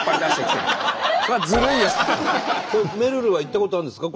めるるは行ったことあるんですか？